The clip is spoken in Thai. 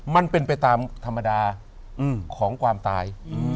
มันเป็นไปตามธรรมดาของความตาย